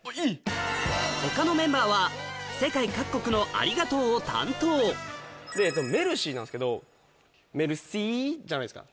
他のメンバーは世界各国の「ありがとう」を担当「メルシー」なんですけど「メルスィー」じゃないですか。